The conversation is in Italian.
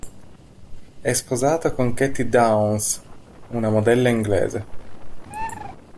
È sposato con Katie Downes, una modella inglese.